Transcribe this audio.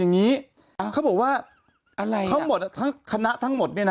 อาเขาบอกว่าอะไรเขาหมดขนาดทั้งหมด